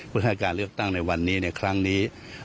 เพื่อให้การเลือกตั้งในวันนี้ในครั้งนี้